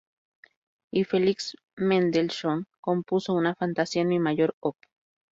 Y Felix Mendelssohn compuso una Fantasía en Mi mayor, op.